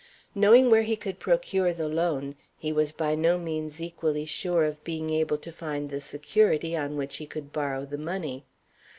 Knowing where he could procure the loan, he was by no means equally sure of being able to find the security on which he could borrow the money.